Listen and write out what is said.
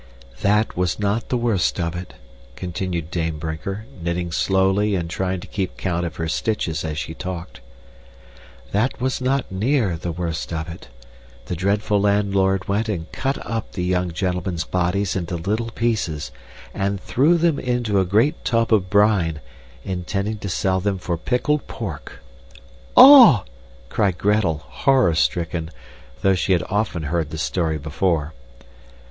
"That was not the worst of it," continued Dame Brinker, knitting slowly and trying to keep count of her stitches as she talked. "That was not near the worst of it. The dreadful landlord went and cut up the young gentlemen's bodies into little pieces and threw them into a great tub of brine, intending to sell them for pickled pork!" "Oh!" cried Gretel, horror stricken, though she had often heard the story before.